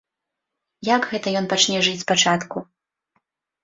Як гэта ён пачне жыць спачатку?